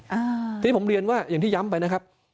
อันนี้ผมเรียนว่าอย่างที่ย้ำไปนะครับ